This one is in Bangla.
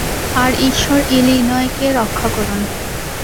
আর ঈশ্বর ইলিনয়কে রক্ষা করুন!